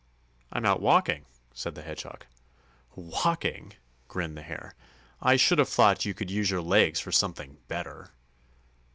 "I'm out walking," said the Hedgehog. "Walking?" grinned the Hare. "I should have thought you could use your legs for something better!"